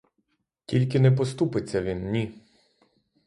Тільки не поступиться він, ні!